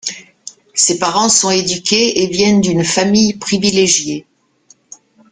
Ses parents sont éduqués et viennent d'une famille privilégiée.